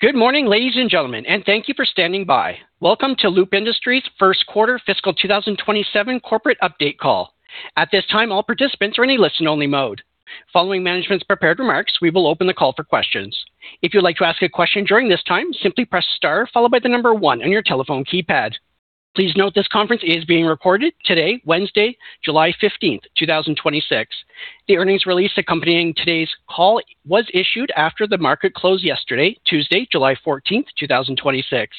Good morning, ladies and gentlemen, and thank you for standing by. Welcome to Loop Industries' first quarter fiscal 2027 corporate update call. At this time, all participants are in a listen-only mode. Following management's prepared remarks, we will open the call for questions. If you'd like to ask a question during this time, simply press star, followed by one on your telephone keypad. Please note this conference is being recorded today, Wednesday, July 15th, 2026. The earnings release accompanying today's call was issued after the market closed yesterday, Tuesday, July 14th, 2026.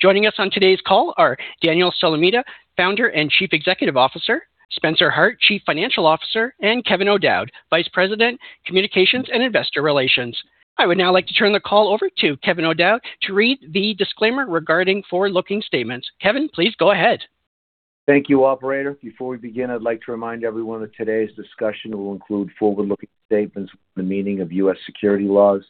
Joining us on today's call are Daniel Solomita, Founder and Chief Executive Officer, Spencer Hart, Chief Financial Officer, and Kevin O'Dowd, Vice President, Communications and Investor Relations. I would now like to turn the call over to Kevin O'Dowd to read the disclaimer regarding forward-looking statements. Kevin, please go ahead. Thank you, operator. Before we begin, I'd like to remind everyone that today's discussion will include forward-looking statements, the meaning of U.S. securities laws.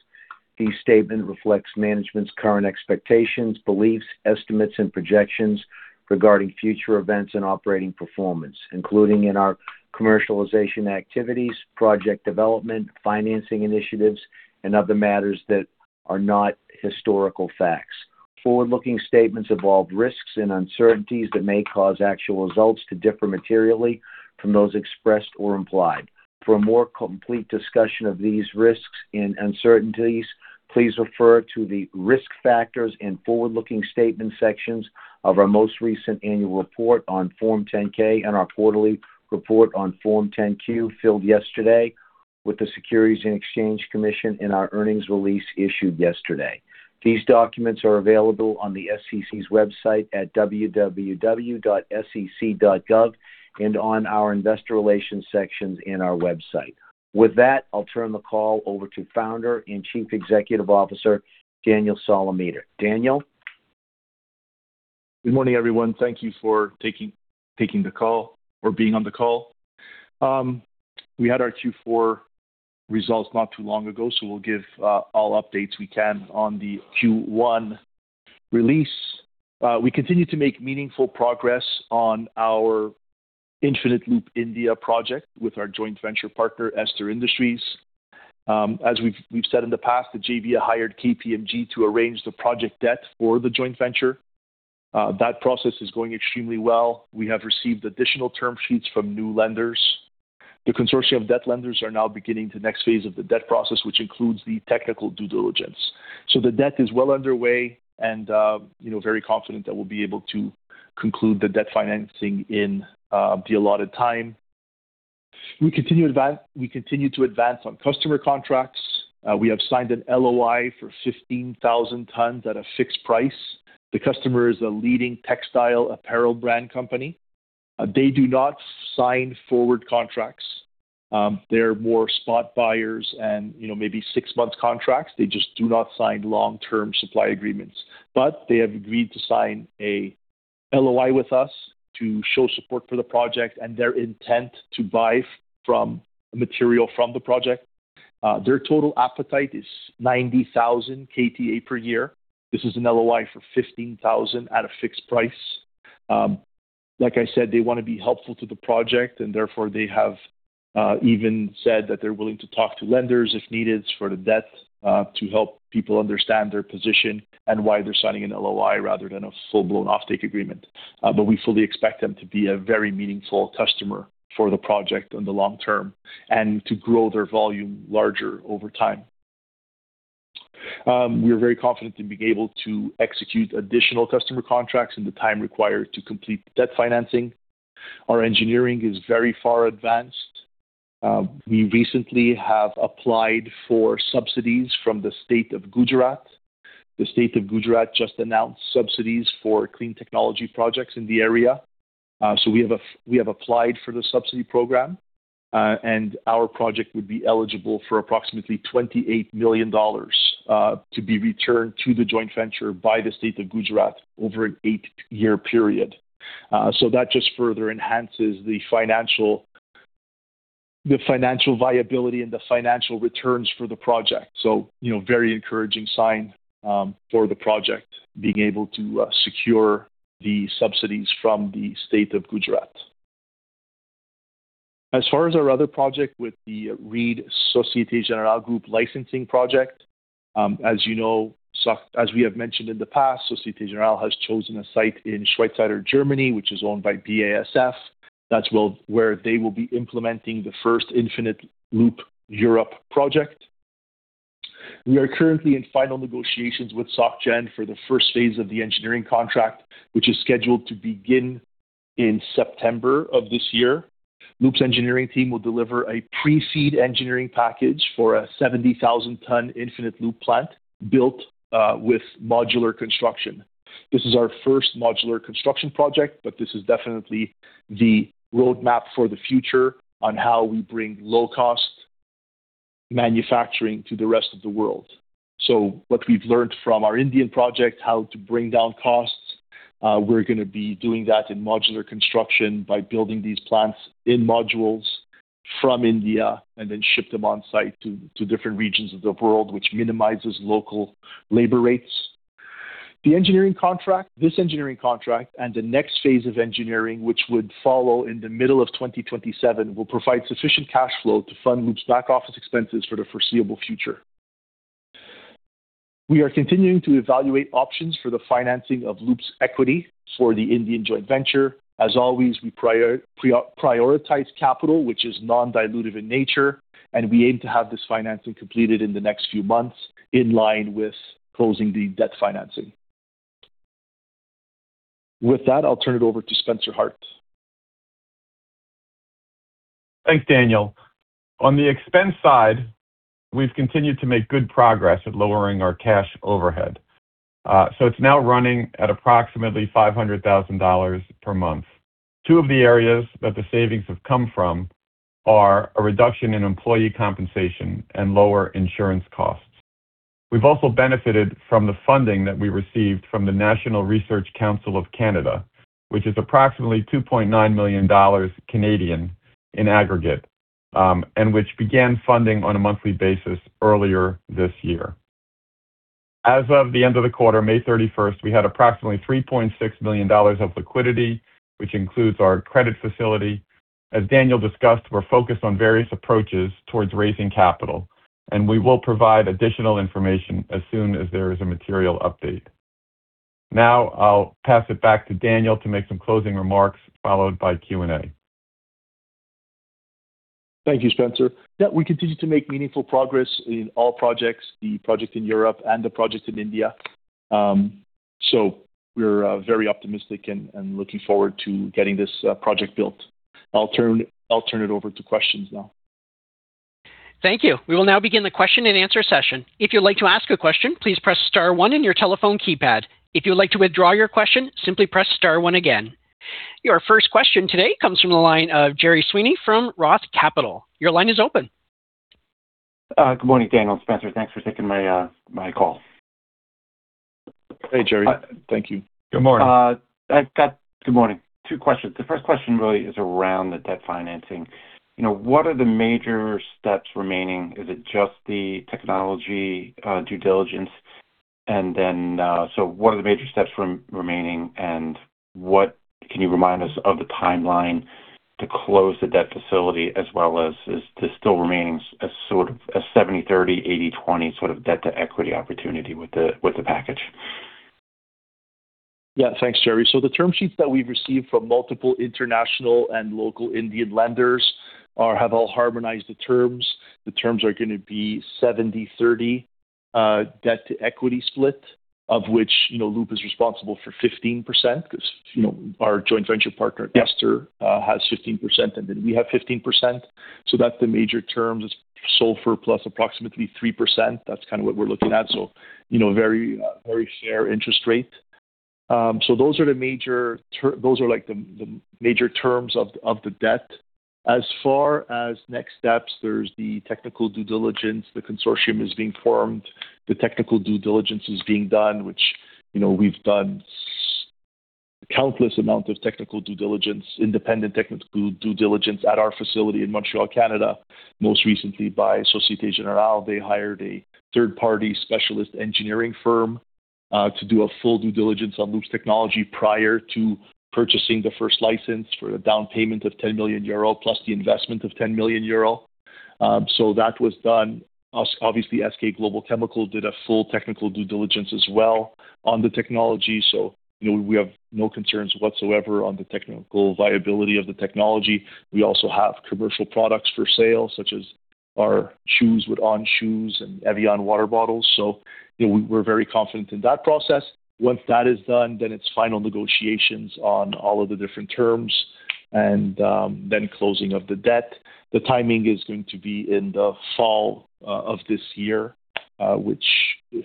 These statements reflect management's current expectations, beliefs, estimates, and projections regarding future events and operating performance, including in our commercialization activities, project development, financing initiatives, and other matters that are not historical facts. Forward-looking statements involve risks and uncertainties that may cause actual results to differ materially from those expressed or implied. For a more complete discussion of these risks and uncertainties, please refer to the risk factors and forward-looking statement sections of our most recent annual report on Form 10-K and our quarterly report on Form 10-Q, filed yesterday with the Securities and Exchange Commission in our earnings release issued yesterday. These documents are available on the SEC's website at www.sec.gov and on our investor relations sections in our website. With that, I'll turn the call over to Founder and Chief Executive Officer, Daniel Solomita. Daniel? Good morning, everyone. Thank you for taking the call or being on the call. We had our Q4 results not too long ago, so we'll give all updates we can on the Q1 release. We continue to make meaningful progress on our Infinite Loop India project with our joint venture partner, Ester Industries. As we've said in the past, the JV hired KPMG to arrange the project debt for the joint venture. That process is going extremely well. We have received additional term sheets from new lenders. The consortium of debt lenders are now beginning the next phase of the debt process, which includes the technical due diligence. The debt is well underway and very confident that we'll be able to conclude the debt financing in the allotted time. We continue to advance on customer contracts. We have signed an LOI for 15,000 tons at a fixed price. The customer is a leading textile apparel brand company. They do not sign forward contracts. They're more spot buyers and maybe six months contracts. They just do not sign long-term supply agreements. They have agreed to sign a LOI with us to show support for the project and their intent to buy material from the project. Their total appetite is 90,000 KTA per year. This is an LOI for 15,000 at a fixed price. Like I said, they want to be helpful to the project, and therefore they have even said that they're willing to talk to lenders if needed for the debt, to help people understand their position and why they're signing an LOI rather than a full-blown offtake agreement. We fully expect them to be a very meaningful customer for the project in the long term and to grow their volume larger over time. We're very confident in being able to execute additional customer contracts in the time required to complete debt financing. Our engineering is very far advanced. We recently have applied for subsidies from the state of Gujarat. The State of Gujarat just announced subsidies for clean technology projects in the area. We have applied for the subsidy program. Our project would be eligible for approximately 28 million dollars to be returned to the joint venture by the state of Gujarat over an eight-year period. That just further enhances the financial viability and the financial returns for the project. Very encouraging sign for the project, being able to secure the subsidies from the state of Gujarat. As far as our other project with the Reed Société Générale Group licensing project. As we have mentioned in the past, Société Générale has chosen a site in Schwarzheide, Germany, which is owned by BASF. That's where they will be implementing the first Infinite Loop Europe project. We are currently in final negotiations with Soc Gen for the first phase of the engineering contract, which is scheduled to begin in September of this year. Loop's engineering team will deliver a pre-FEED engineering package for a 70,000-ton Infinite Loop plant built with modular construction. This is our first modular construction project; this is definitely the roadmap for the future on how we bring low-cost manufacturing to the rest of the world. What we've learned from our Indian project, how to bring down costs, we're going to be doing that in modular construction by building these plants in modules from India and then ship them on-site to different regions of the world, which minimizes local labor rates The engineering contract, this engineering contract, and the next phase of engineering, which would follow in the middle of 2027, will provide sufficient cash flow to fund Loop's back office expenses for the foreseeable future. We are continuing to evaluate options for the financing of Loop's equity for the Indian joint venture. Always, we prioritize capital, which is non-dilutive in nature, and we aim to have this financing completed in the next few months, in line with closing the debt financing. With that, I'll turn it over to Spencer Hart. Thanks, Daniel. On the expense side, we've continued to make good progress at lowering our cash overhead. It's now running at approximately 500,000 dollars per month. Two of the areas that the savings have come from are a reduction in employee compensation and lower insurance costs. We've also benefited from the funding that we received from the National Research Council of Canada, which is approximately 2.9 million Canadian dollars Canadian in aggregate, and which began funding on a monthly basis earlier this year. As of the end of the quarter, May 31st, we had approximately 3.6 million dollars of liquidity, which includes our credit facility. As Daniel discussed, we're focused on various approaches towards raising capital, and we will provide additional information as soon as there is a material update. I'll pass it back to Daniel to make some closing remarks, followed by Q&A. Thank you, Spencer. We continue to make meaningful progress in all projects, the project in Europe and the project in India. We're very optimistic and looking forward to getting this project built. I'll turn it over to questions now. Thank you. We will now begin the question-and-answer session. If you'd like to ask a question, please press star one on your telephone keypad. If you would like to withdraw your question, simply press star one again. Your first question today comes from the line of Gerry Sweeney from Roth Capital. Your line is open. Good morning, Daniel, Spencer. Thanks for taking my call. Hey, Gerry. Thank you. Good morning. Good morning. Two questions. The first question really is around the debt financing. What are the major steps remaining? Is it just the technology due diligence? What are the major steps remaining, and what can you remind us of the timeline to close the debt facility, as well as is this still remaining as sort of a 70/30, 80/20 sort of debt-to-equity opportunity with the package? Yeah. Thanks, Gerry. The term sheets that we've received from multiple international and local Indian lenders have all harmonized the terms. The terms are going to be 70/30 debt-to-equity split, of which Loop is responsible for 15%, because our joint venture partner, Ester, has 15%, and then we have 15%. That's the major terms. It's SOFR plus approximately 3%. That's kind of what we're looking at. A very fair interest rate. Those are the major terms of the debt. As far as next steps, there's the technical due diligence. The consortium is being formed. The technical due diligence is being done, which we've done countless amount of technical due diligence, independent technical due diligence at our facility in Montreal, Canada, most recently by Société Générale. They hired a third-party specialist engineering firm to do a full due diligence on Loop's technology prior to purchasing the first license for the down payment of €10 million, plus the investment of €10 million. That was done. SK Geo Centric did a full technical due diligence as well on the technology. We have no concerns whatsoever on the technical viability of the technology. We also have commercial products for sale, such as our shoes with On Shoes and evian water bottles. We're very confident in that process. Once that is done, it's final negotiations on all of the different terms, closing of the debt. The timing is going to be in the fall of this year, which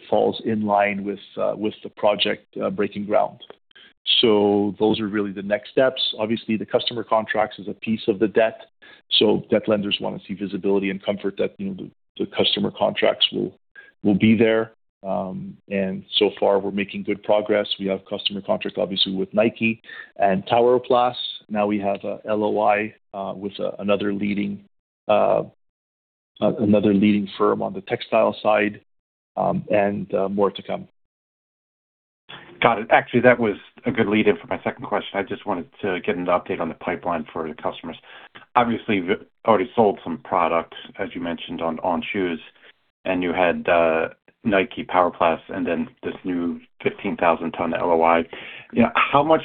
falls in line with the project breaking ground. Those are really the next steps. Obviously, the customer contracts is a piece of the debt. Debt lenders want to see visibility and comfort that the customer contracts will be there. So far, we're making good progress. We have customer contracts, obviously, with Nike and Tower Plast. Now we have an LOI with another leading firm on the textile side. More to come. Got it. Actually, that was a good lead-in for my second question. I just wanted to get an update on the pipeline for the customers. Obviously, you've already sold some products, as you mentioned, on On Shoes, you had Nike, Tower Plast, this new 15,000-ton LOI. How much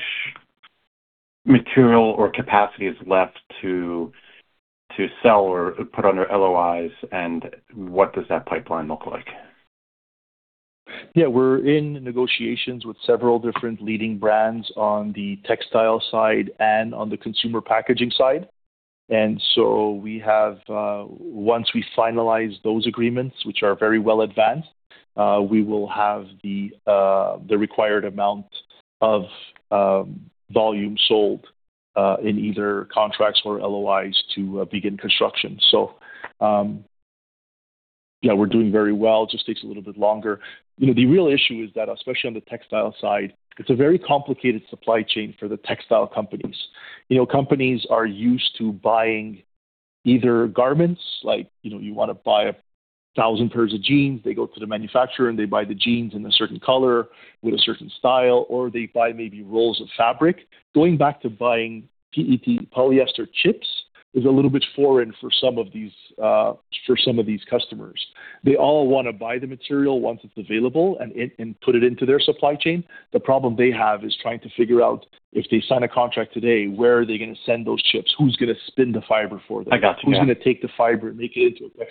material or capacity is left to sell or put under LOIs? What does that pipeline look like? Yeah. We're in negotiations with several different leading brands on the textile side and on the consumer packaging side. We have, once we finalize those agreements, which are very well advanced, we will have the required amount of volume sold in either contracts or LOIs to begin construction. We're doing very well. It just takes a little bit longer. The real issue is that, especially on the textile side, it's a very complicated supply chain for the textile companies. Companies are used to buying Either garments, like you want to buy 1,000 pairs of jeans, they go to the manufacturer, and they buy the jeans in a certain color with a certain style, or they buy maybe rolls of fabric. Going back to buying PET polyester chips is a little bit foreign for some of these customers. They all want to buy the material once it's available and put it into their supply chain. The problem they have is trying to figure out if they sign a contract today, where are they going to send those chips? Who's going to spin the fiber for them? I got you. Yeah. Who's going to take the fiber and make it into a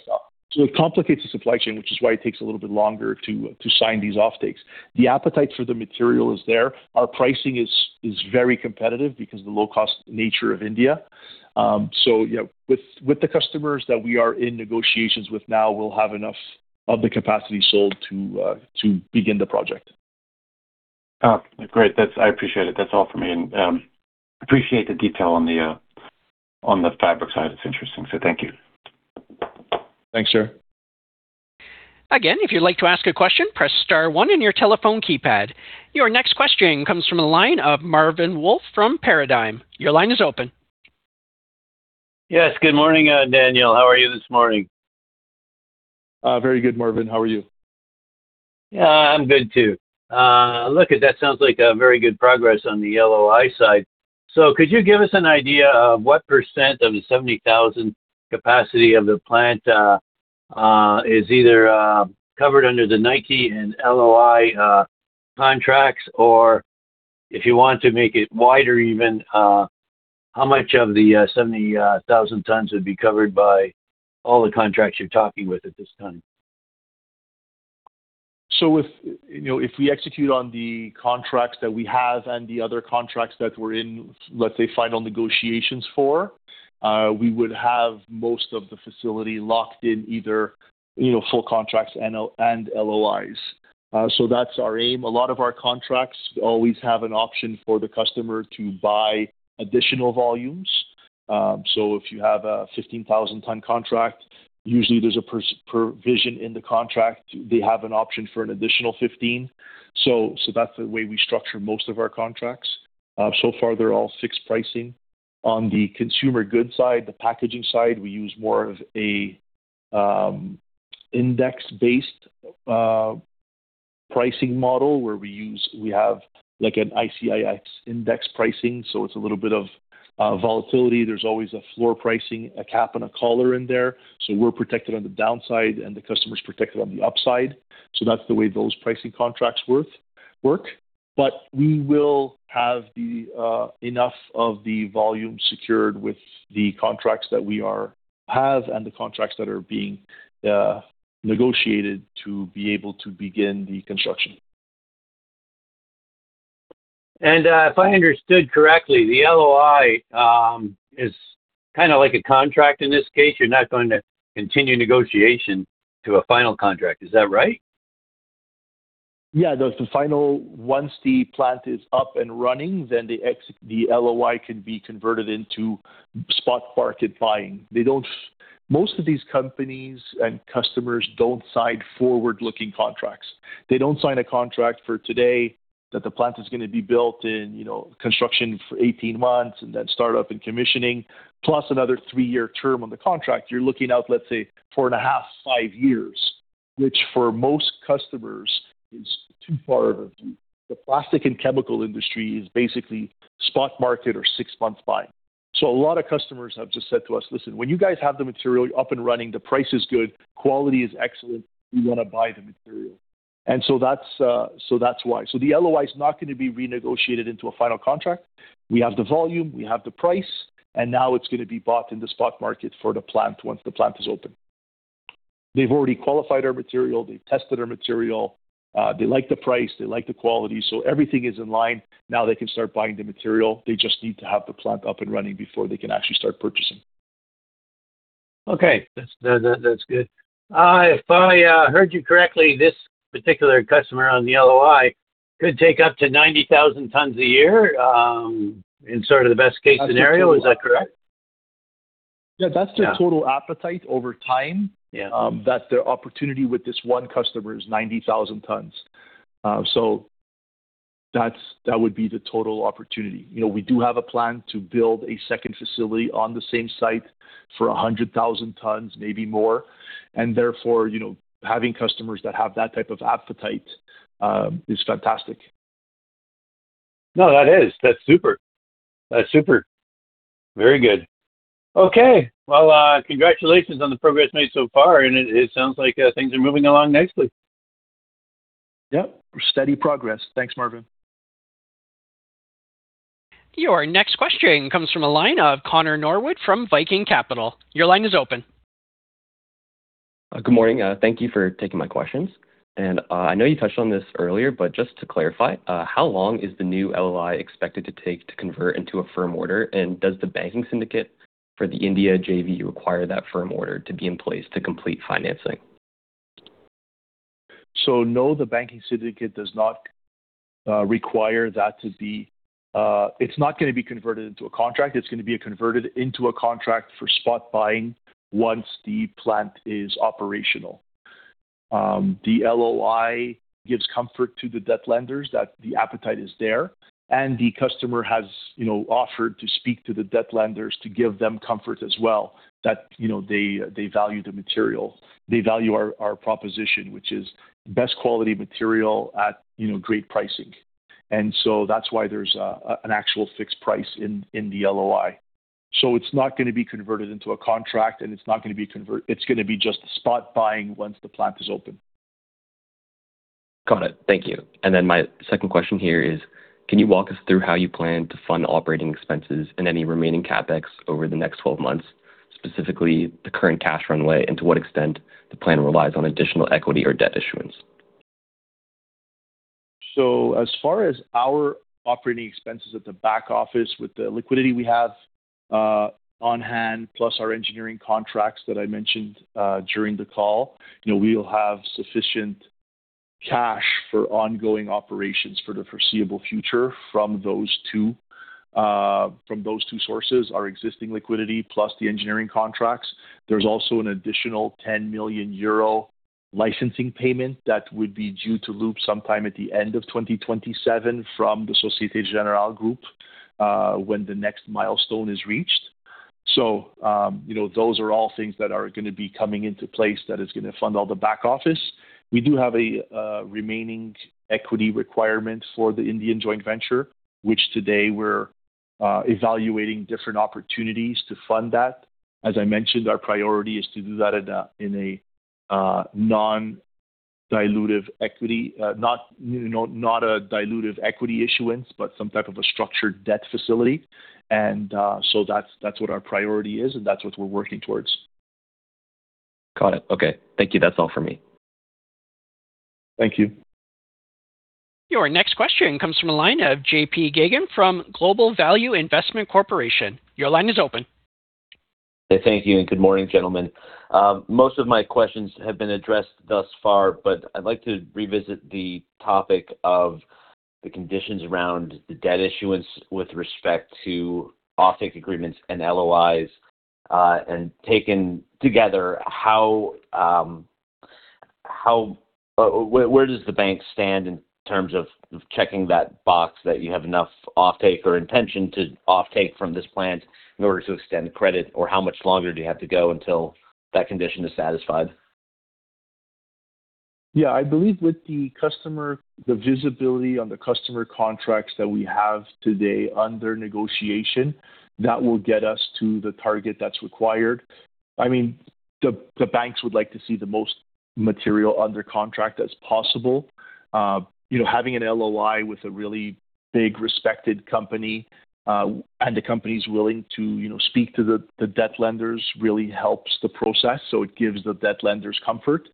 textile? It complicates the supply chain, which is why it takes a little bit longer to sign these offtakes. The appetite for the material is there. Our pricing is very competitive because of the low-cost nature of India. Yeah, with the customers that we are in negotiations with now, we'll have enough of the capacity sold to begin the project. Oh, great. I appreciate it. That's all for me. Appreciate the detail on the fabric side. It's interesting, thank you. Thanks, sir. Again, if you'd like to ask a question, press star one on your telephone keypad. Your next question comes from the line of Marvin Wolff from Paradigm. Your line is open. Yes, good morning, Daniel. How are you this morning? Very good, Marvin. How are you? I'm good, too. Look, that sounds like very good progress on the LOI side. Could you give us an idea of what % of the 70,000 capacities of the plant is either covered under the Nike and LOI contracts, or if you want to make it wider even, how much of the 70,000 tons would be covered by all the contracts you're talking with at this time? If we execute on the contracts that we have and the other contracts that we're in, let's say, final negotiations for, we would have most of the facility locked in either full contracts and LOIs. That's our aim. A lot of our contracts always have an option for the customer to buy additional volumes. If you have a 15,000-ton contract, usually there's a provision in the contract. They have an option for an additional 15. That's the way we structure most of our contracts. So far, they're all fixed pricing. On the consumer goods side, the packaging side, we use more of an index-based pricing model, where we have an ICIS index pricing. It's a little bit of volatility. There's always a floor pricing, a cap, and a collar in there. We're protected on the downside and the customer's protected on the upside. That's the way those pricing contracts work. We will have enough of the volume secured with the contracts that we have and the contracts that are being negotiated to be able to begin the construction. If I understood correctly, the LOI is like a contract in this case. You're not going to continue negotiation to a final contract, is that right? Yeah. Once the plant is up and running, the LOI can be converted into spot market buying. Most of these companies and customers don't sign forward-looking contracts. They don't sign a contract for today, that the plant is going to be built in construction for 18 months and then start up in commissioning plus another three-year term on the contract. You're looking out, let's say, four and a half, five years, which for most customers is too far ahead. The plastic and chemical industry is basically spot market or six months buy. A lot of customers have just said to us, "Listen, when you guys have the material up and running, the price is good, quality is excellent, we want to buy the material." That's why. The LOI is not going to be renegotiated into a final contract. We have the volume, we have the price, now it's going to be bought in the spot market for the plant once the plant is open. They've already qualified our material. They've tested our material. They like the price. They like the quality. Everything is in line. Now they can start buying the material. They just need to have the plant up and running before they can actually start purchasing. Okay. That's good. If I heard you correctly, this particular customer on the LOI could take up to 90,000 tons a year in sort of the best-case scenario. Is that correct? Yeah. That's their total appetite over time. Yeah. That their opportunity with this one customer is 90,000 tons. That would be the total opportunity. We do have a plan to build a second facility on the same site for 100,000 tons, maybe more, therefore, having customers that have that type of appetite is fantastic. No, that's super. Very good. Okay. Well, congratulations on the progress made so far, it sounds like things are moving along nicely. Yep. Steady progress. Thanks, Marvin. Your next question comes from a line of Connor Norwood from Viking Capital. Your line is open. Good morning. Thank you for taking my questions. I know you touched on this earlier, but just to clarify, how long is the new LOI expected to take to convert into a firm order? Does the banking syndicate for the India JV require that firm order to be in place to complete financing? No, the banking syndicate does not require that. It's not going to be converted into a contract. It's going to be converted into a contract for spot buying once the plant is operational. The LOI gives comfort to the debt lenders that the appetite is there, the customer has offered to speak to the debt lenders to give them comfort as well that they value the material, they value our proposition, which is best quality material at great pricing. That's why there's an actual fixed price in the LOI. It's not going to be converted into a contract, it's going to be just spot buying once the plant is open. Got it. Thank you. My second question here is, can you walk us through how you plan to fund operating expenses and any remaining CapEx over the next 12 months, specifically the current cash runway, and to what extent the plan relies on additional equity or debt issuance? As far as our operating expenses at the back office with the liquidity we have on hand, plus our engineering contracts that I mentioned during the call, we will have sufficient cash for ongoing operations for the foreseeable future from those two sources, our existing liquidity plus the engineering contracts. There's also an additional 10 million euro licensing payment that would be due to Loop sometime at the end of 2027 from the Société Générale group, when the next milestone is reached. Those are all things that are going to be coming into place that is going to fund all the back office. We do have a remaining equity requirement for the Indian joint venture, which today we're evaluating different opportunities to fund that. As I mentioned, our priority is to do that in a non-dilutive equity, not a dilutive equity issuance, but some type of a structured debt facility. That's what our priority is, and that's what we're working towards. Got it. Okay. Thank you. That's all for me. Thank you. Your next question comes from the line of JP Geygan from Global Value Investment Corporation. Your line is open. Thank you, and good morning, gentlemen. Most of my questions have been addressed thus far, but I'd like to revisit the topic of the conditions around the debt issuance with respect to offtake agreements and LOIs. Taken together, where does the bank stand in terms of checking that box that you have enough offtake or intention to offtake from this plant in order to extend credit, or how much longer do you have to go until that condition is satisfied? Yeah, I believe with the visibility on the customer contracts that we have today under negotiation, that will get us to the target that's required. I mean, the banks would like to see the most material under contract as possible. Having an LOI with a really big, respected company, and the company's willing to speak to the debt lenders really helps the process. It gives the debt lenders comfort.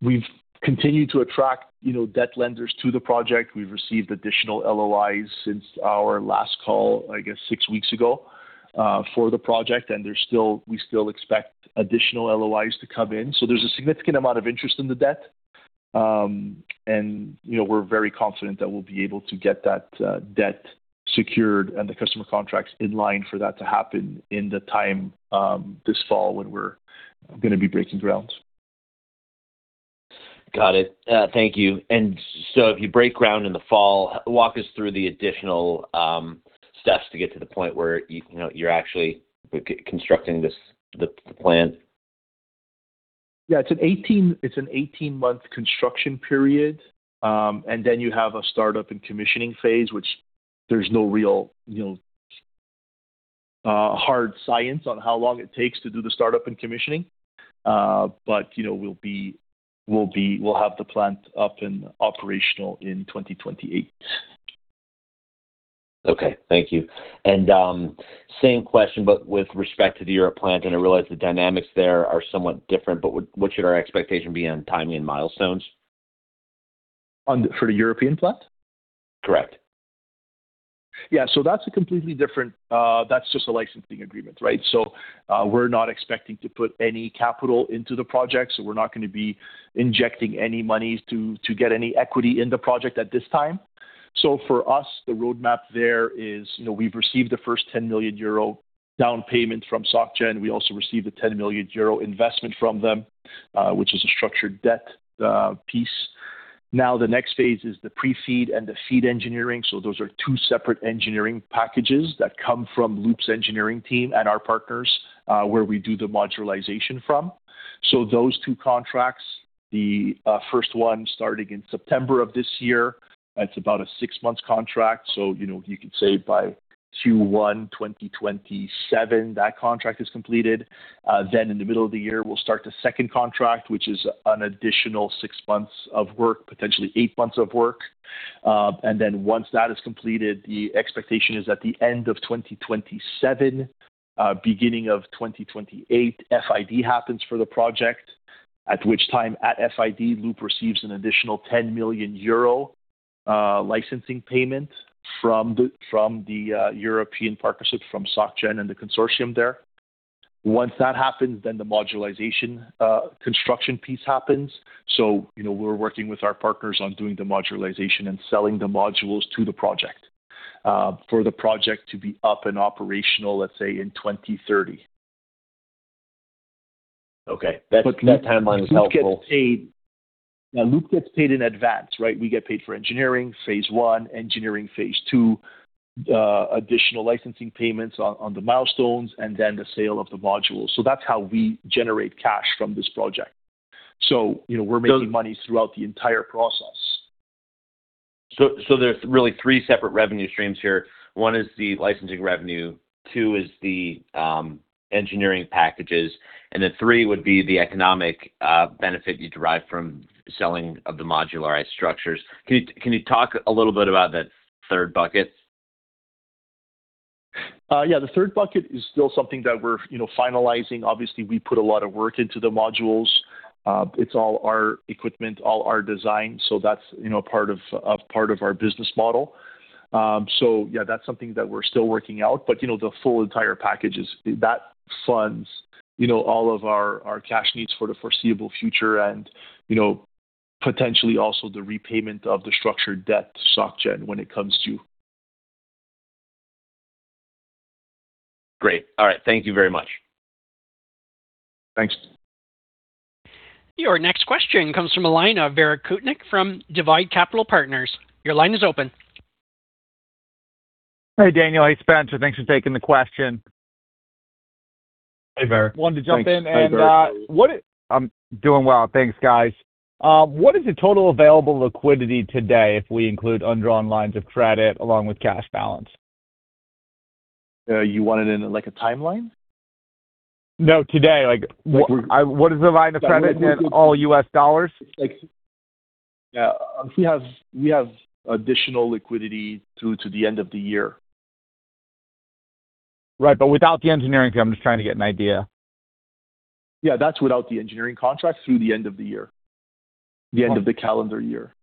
We've continued to attract debt lenders to the project. We've received additional LOIs since our last call, I guess, six weeks ago, for the project, and we still expect additional LOIs to come in. There's a significant amount of interest in the debt. We're very confident that we'll be able to get that debt secured and the customer contracts in line for that to happen in the time this fall when we're going to be breaking ground. Got it. Thank you. If you break ground in the fall, walk us through the additional steps to get to the point where you're actually constructing the plant. Yeah, it's an 18-month construction period. You have a startup and commissioning phase, which there's no real hard science on how long it takes to do the startup and commissioning. We'll have the plant up and operational in 2028. Okay. Thank you. Same question, but with respect to the Europe plant, and I realize the dynamics there are somewhat different, but what should our expectation be on timing and milestones? For the European plant? Correct. That's just a licensing agreement, right? We're not expecting to put any capital into the project. We're not going to be injecting any monies to get any equity in the project at this time. For us, the roadmap there is we've received the first 10 million euro down payment from SocGen. We also received a 10 million euro investment from them, which is a structured debt piece. The next phase is the pre-FEED and the FEED engineering. Those are two separate engineering packages that come from Loop's engineering team and our partners, where we do the modularization from. Those two contracts, the first one starting in September of this year. It's about a six-month contract. You could say by Q1 2027, that contract is completed. In the middle of the year, we'll start the second contract, which is an additional six months of work, potentially eight months of work. Once that is completed, the expectation is at the end of 2027, beginning of 2028, FID happens for the project. At which time, at FID, Loop receives an additional 10 million euro licensing payment from the European partnership from SocGen and the consortium there. Once that happens, then the modularization construction piece happens. We're working with our partners on doing the modularization and selling the modules to the project. For the project to be up and operational, let's say in 2030. Okay. That timeline is helpful. Loop gets paid in advance, right? We get paid for engineering phase 1, engineering phase 2, additional licensing payments on the milestones, and then the sale of the modules. That's how we generate cash from this project. We're making money throughout the entire process. There's really three separate revenue streams here. One is the licensing revenue, two is the engineering packages, three would be the economic benefit you derive from selling of the modularized structures. Can you talk a little bit about that third bucket? Yeah, the third bucket is still something that we're finalizing. Obviously, we put a lot of work into the modules. It's all our equipment, all our design, that's part of our business model. Yeah, that's something that we're still working out. The full entire package is, that funds all of our cash needs for the foreseeable future and potentially also the repayment of the structured debt to Soc Gen when it comes due. Great. All right. Thank you very much. Thanks. Your next question comes from the line of Varyk Kutnick from Divyde Capital Partners Your line is open. Hey, Daniel. Hey, Spencer. Thanks for taking the question. Hey, Varyk. Wanted to jump in. Thanks. Hi, Varyk. How are you? I'm doing well. Thanks, guys. What is the total available liquidity today if we include undrawn lines of credit along with cash balance? You want it in, like, a timeline? No, today. We're- What is the line of credit in all US dollars? Yeah. We have additional liquidity through to the end of the year. Right. Without the engineering fee. I'm just trying to get an idea. Yeah. That's without the engineering contract through the end of the year. The end of the calendar year.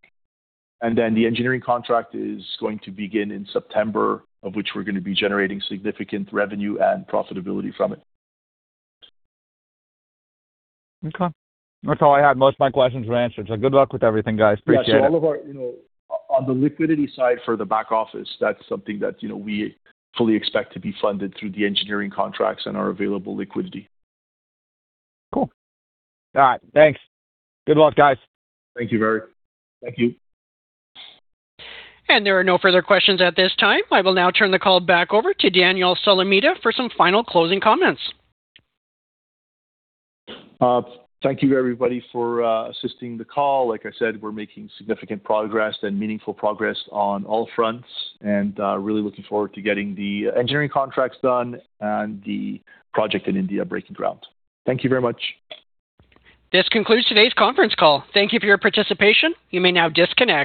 The engineering contract is going to begin in September, of which we're going to be generating significant revenue and profitability from it. Okay. That's all I had. Most of my questions were answered. Good luck with everything, guys. Appreciate it. Yeah. All of our, on the liquidity side for the back office, that's something that we fully expect to be funded through the engineering contracts and our available liquidity. Cool. All right. Thanks. Good luck, guys. Thank you, Varyk. Thank you. There are no further questions at this time. I will now turn the call back over to Daniel Solomita for some final closing comments. Thank you everybody for assisting the call. Like I said, we're making significant progress and meaningful progress on all fronts and really looking forward to getting the engineering contracts done and the project in India breaking ground. Thank you very much. This concludes today's conference call. Thank you for your participation. You may now disconnect.